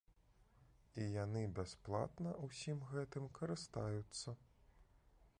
І яны бясплатна ўсім гэтым карыстаюцца.